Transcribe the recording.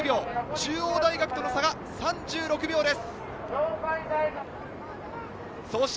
中央大学との差は１０秒です。